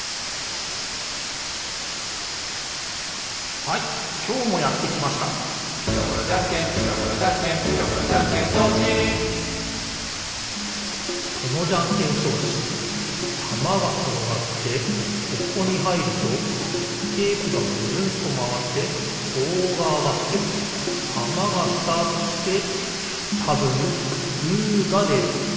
はいきょうもやってきました「ピタゴラじゃんけんピタゴラじゃんけん」「ピタゴラじゃんけん装置」このじゃんけん装置たまがころがってここにはいるとテープがぐるんとまわってぼうがあがってたまがスタートしてたぶんグーがでる。